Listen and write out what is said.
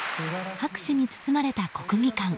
拍手に包まれた国技館。